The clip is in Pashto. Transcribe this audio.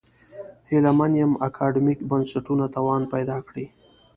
هیله من یم اکاډمیک بنسټونه توان پیدا کړي.